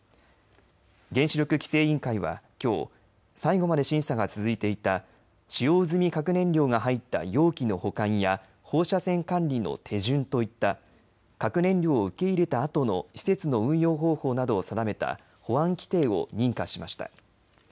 原子力規制委員会はきょう最後まで審査が続いていた使用済み核燃料が入った容器の保管や放射線管理の手順といった核燃料を受け入れたあとの施設の運用方法などを定めた保安規定を認可しました。